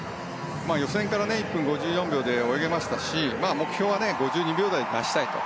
予選から１分５４秒で泳げましたし目標は５２秒台を出したいと。